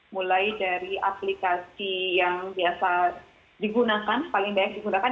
mulai dari aplikasi yang biasa digunakan paling banyak digunakan